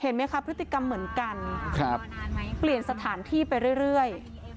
เห็นไหมครับพฤติกรรมเหมือนกันครับเปลี่ยนสถานที่ไปเรื่อยเนื่อย